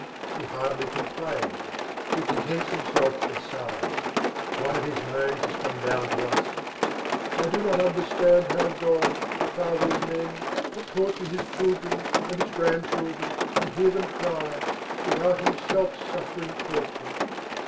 He hardly complains, he contents himself with sighing; one of his moans has come down to us: "I do not understand how God, the father of men, can torture his children and his grandchildren and hear them cry, without himself suffering torture."